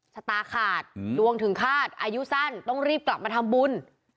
ชะตาขาดดวงถึงคาดอายุสั้นต้องรีบกลับมาทำบุญ